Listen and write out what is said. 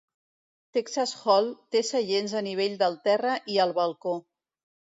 Texas Hall té seients a nivell del terra i al balcó.